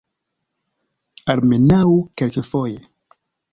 Almenaŭ kelkfoje.